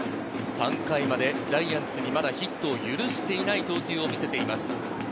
３回まで、まだジャイアンツにヒットを許していない投球を見せています。